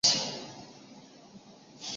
作品明显是导演押井守缓慢步调的风格。